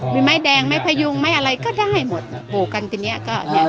มีไม้แดงไม้พยุงไม่อะไรก็จะให้หมดปลูกกันทีเนี้ยก็เนี้ย